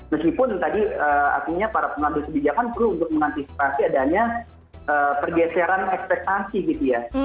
meskipun tadi artinya para pengambil kebijakan perlu untuk mengantisipasi adanya pergeseran ekspektasi gitu ya